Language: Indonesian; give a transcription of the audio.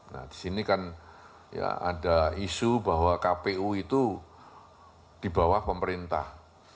nah disini kan ada isu bahwa kpu itu di bawah pemerintah